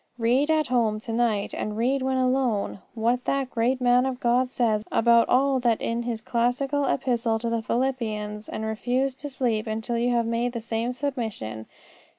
Read at home to night, and read when alone, what that great man of God says about all that in his classical epistle to the Philippians, and refuse to sleep till you have made the same submission.